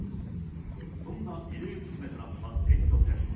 そんな異例ずくめとなった選挙戦。